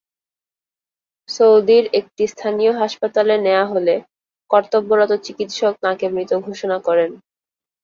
সৌদির একটি স্থানীয় হাসপাতালে নেওয়া হলে কর্তব্যরত চিকিৎসক তাঁকে মৃত ঘোষণা করেন।